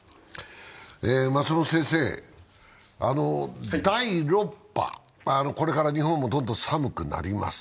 松本先生、第６波、これから日本もどんどん寒くなります。